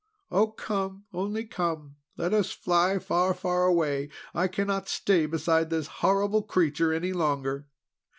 Oh, come! Only come! Let us fly far, far away! I cannot stay beside this horrible creature any longer."